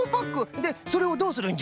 でそれをどうするんじゃ？